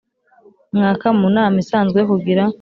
Mwaka mu nama isanzwe kugira